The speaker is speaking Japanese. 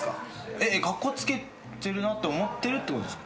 えっカッコつけてるなって思ってるってことですか？